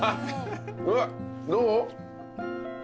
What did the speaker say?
うわっどう？